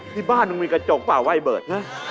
ที่บ้านมันมีกระจกป่าวไหว้เบิดนะ